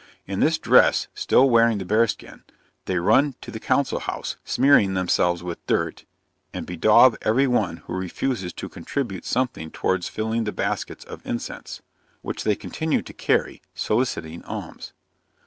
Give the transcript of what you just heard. In this dress, (still wearing the bear skin,) they run to the council house, smearing themselves with dirt, and bedaub every one who refuses to contribute something towards filling the baskets of incense, which they continue to carry, soliciting alms.